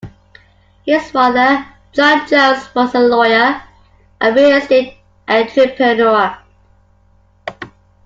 His father, John Jones, was a lawyer and real estate entrepreneur.